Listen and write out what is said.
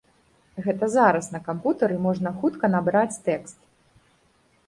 Гэта зараз на кампутары можна хутка набраць тэкст.